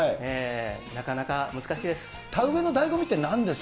なかなか難しいです。